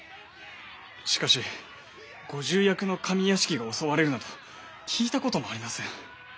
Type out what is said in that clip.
しかしご重役の上屋敷が襲われるなど聞いたこともありません。